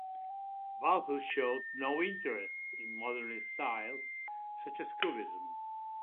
Balthus showed no interest in modernist styles such as Cubism.